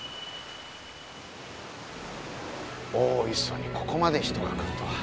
大磯にここまで人が来るとは。